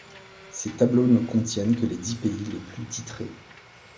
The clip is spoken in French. Ces tableaux ne contiennent que les dix pays les plus titrés.